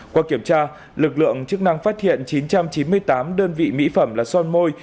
qua kiểm tra lực lượng chức năng phát hiện chín trăm chín mươi tám đơn vị mỹ phẩm là son môi